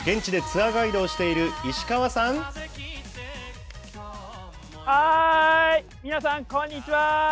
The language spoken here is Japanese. はーい、皆さん、こんにちは。